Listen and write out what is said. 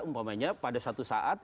umpamanya pada satu saat